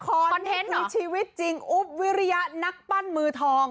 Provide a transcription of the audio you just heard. คอนเทนต์ในชีวิตจริงอุ๊บวิริยะนักปั้นมือทอง